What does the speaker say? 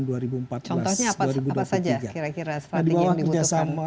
contohnya apa saja kira kira strategi yang dibutuhkan